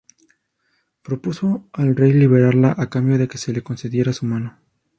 Propuso al rey liberarla, a cambio de que se le concediera su mano.